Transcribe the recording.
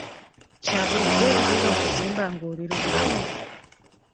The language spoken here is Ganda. Kya bulijjo ebigere okuzimba ng'oli lubuto?